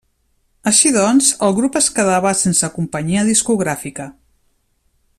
Així doncs, el grup es quedava sense companyia discogràfica.